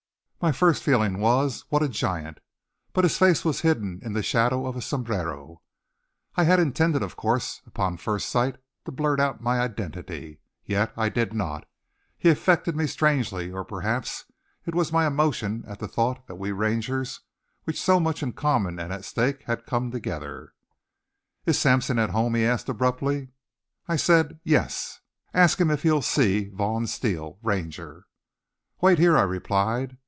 My first feeling was, What a giant! But his face was hidden in the shadow of a sombrero. I had intended, of course, upon first sight to blurt out my identity. Yet I did not. He affected me strangely, or perhaps it was my emotion at the thought that we Rangers, with so much in common and at stake, had come together. "Is Sampson at home?" he asked abruptly. I said, "Yes." "Ask him if he'll see Vaughn Steele, Ranger." "Wait here," I replied.